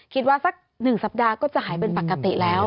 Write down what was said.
สัก๑สัปดาห์ก็จะหายเป็นปกติแล้ว